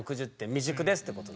未熟ですってことだ。